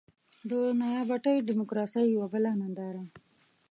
د نيابتي ډيموکراسۍ يوه بله ننداره.